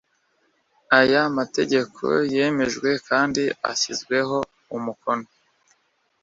aya mategeko yemejwe kandi ashyizweho umukono